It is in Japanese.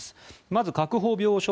まず確保病床